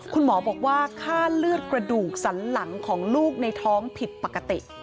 คุณหมอบอกว่าค่าเลือดกระดูกสันหลังของลูกในท้องผิดปกติ